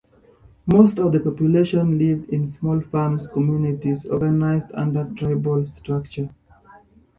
Most of the population lived in small farm communities organized under a tribal structure.